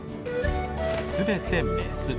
全てメス。